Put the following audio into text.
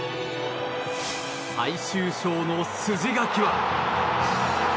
最終章の筋書きは。